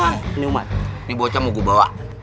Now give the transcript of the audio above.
ini umat ini bocah mau gue bawa